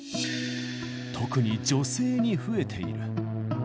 特に女性に増えている。